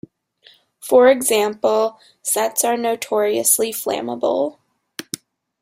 For example, sets are notoriously flammable.